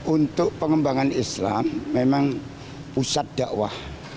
untuk pengembangan islam memang pusat dakwah